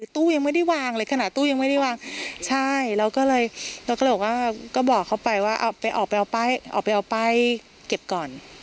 ตู้ยังไม่ได้วางเลยขณะตู้ยังไม่ได้วางใช่แล้วก็เลยบอกเขาไปว่าออกไปเอาป้ายเก็บก่อน